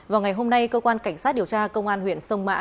vào ngày hôm nay cơ quan cảnh sát điều tra công an huyện sông mã